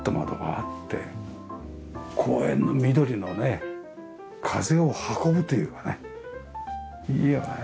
公園の緑のね風を運ぶというかねいいよね。